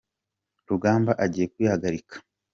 rugamba agiye kwihagarika.